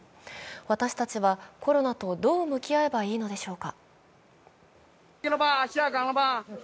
私たちはコロナとどう向き合えばいいのでしょうか。